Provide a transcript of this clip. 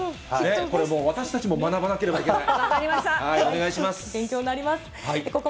これ、私たちも学ばなければいけない。